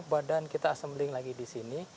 badan kita assembling lagi di sini